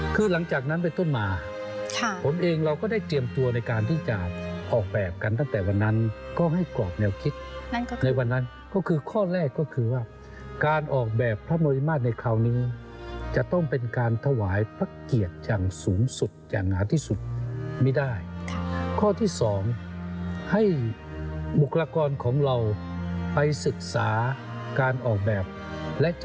คือหลังจากนั้นไปต้นมาผมเองเราก็ได้เตรียมตัวในการที่จะออกแบบกันตั้งแต่วันนั้นก็ให้กรอบแนวคิดในวันนั้นก็คือข้อแรกก็คือว่าการออกแบบพระมริมาตรในคราวนี้จะต้องเป็นการถวายพระเกียรติอย่างสูงสุดอย่างหนาที่สุดไม่ได้ข้อที่สองให้บุคลากรของเราไปศึกษาการออกแบบและจะ